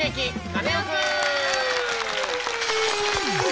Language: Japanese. カネオくん」。